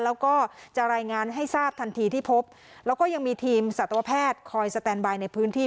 แล้วก็จะรายงานให้ทราบทันทีที่พบแล้วก็ยังมีทีมสัตวแพทย์คอยสแตนบายในพื้นที่